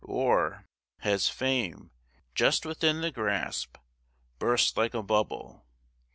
or, has fame, just within the grasp, burst like a bubble?